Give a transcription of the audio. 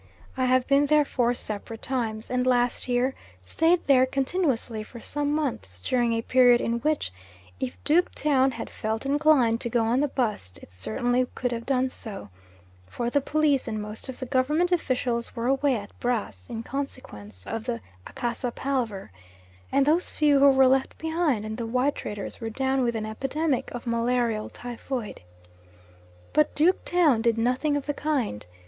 I have been there four separate times, and last year stayed there continuously for some months during a period in which if Duke Town had felt inclined to go on the bust, it certainly could have done so; for the police and most of the Government officials were away at Brass in consequence of the Akassa palaver, and those few who were left behind and the white traders were down with an epidemic of malarial typhoid. But Duke Town did nothing of the kind.